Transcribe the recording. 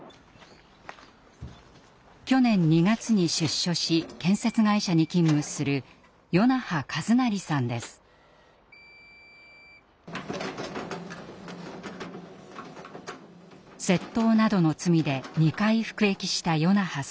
去年２月に出所し建設会社に勤務する窃盗などの罪で２回服役した與那覇さん。